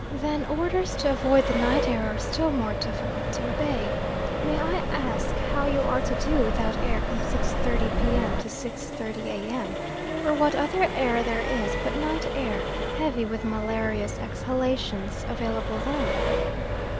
Then orders to avoid the night air are still more difficult to obey may I ask how you are to do without air from 6.30 P.M. to 6.30 A.M.? or what other air there is but night air, heavy with malarious exhalations, available then?